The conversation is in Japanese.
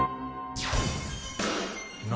「何？」